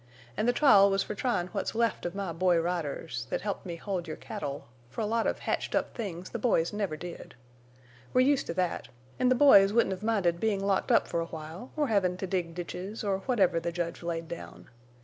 An' the trial was fer tryin' what's left of my boy riders—thet helped me hold your cattle—fer a lot of hatched up things the boys never did. We're used to thet, an' the boys wouldn't hev minded bein' locked up fer a while, or hevin' to dig ditches, or whatever the judge laid down.